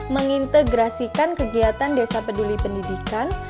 mengintegrasikan kegiatan desa peduli pendidikan